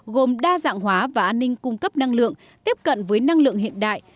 gồm đa dạng hóa và an ninh cung cấp năng lượng tiếp cận với năng lượng hiện đại